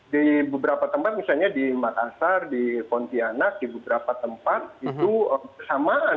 di beberapa tempat misalnya di makassar di pontianak di beberapa tempat itu bersamaan